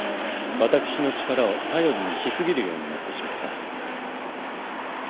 私の力を頼りにしすぎるようになってしまった。